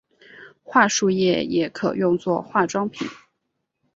桦树液也可用做化妆品。